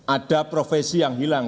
ada profesi yang hilang